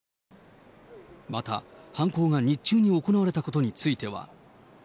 また、犯行が日中に行われたことについては。